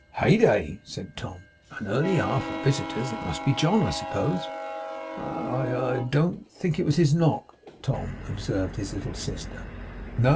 'Heyday!' said Tom. 'An early hour for visitors! It must be John, I suppose.' 'I I don't think it was his knock, Tom,' observed his little sister. 'No?